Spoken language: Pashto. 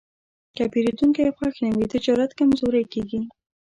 که پیرودونکی خوښ نه وي، تجارت کمزوری کېږي.